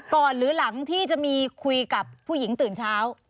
หรือหลังที่จะมีคุยกับผู้หญิงตื่นเช้า